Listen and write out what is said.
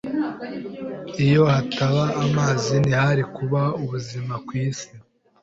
Iyo hataba amazi, ntihari kubaho ubuzima kwisi.